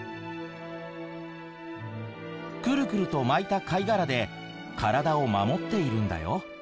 クルクルと巻いた貝殻で体を守っているんだよ。